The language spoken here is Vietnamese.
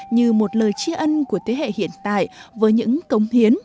như một lời chia ân của thế hệ hiện tại với những cống hiến